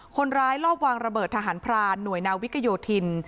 คนร้ายรอบวางระเบิดทหารพรานหน่วยนาวิกโยธิน